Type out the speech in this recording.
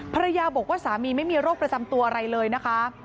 ภรรยาบอกว่าสามีไม่มีโรคประจำตัวอะไรเลยนะคะ